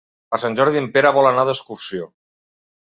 Per Sant Jordi en Pere vol anar d'excursió.